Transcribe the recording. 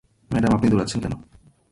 Madam, আপনি দৌঁড়াচ্ছেন কেন?